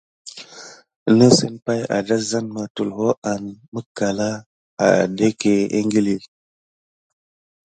Nəsəŋ pay adazaneba tulho an mikalà adéke ékili.